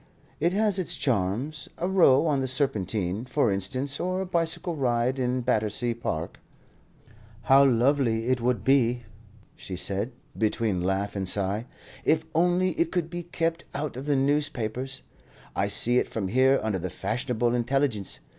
"It has its charms. A row on the Serpentine, for instance, or a bicycle ride in Battersea Park." "How lovely it would be," she said, between laugh and sigh, "if only it could be kept out of the newspapers! I see it from here under the Fashionable Intelligence.